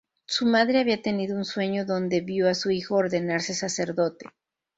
Su madre había tenido un sueño donde vio a su hijo ordenarse sacerdote.